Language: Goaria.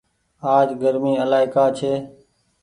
آج گرمي الآئي ڪآ ڇي۔